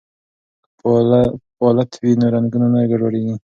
که پالت وي نو رنګونه نه ګډوډیږي.